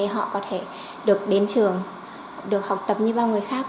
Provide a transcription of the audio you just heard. họ có thể được đến trường được học tập như bao người khác